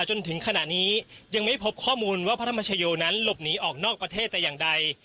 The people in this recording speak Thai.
จนถึงขณะนี้ยังไม่พบข้อมูลว่าพระธรรมชโยนั้นหลบหนีออกนอกประเทศแต่อย่างใด